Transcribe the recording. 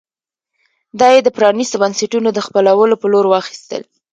دا یې د پرانېستو بنسټونو د خپلولو په لور واخیستل.